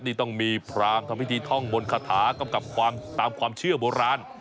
นี่ต้องมีพรามทำพิธีท่องบนคาถากำกับความตามความเชื่อโบราณ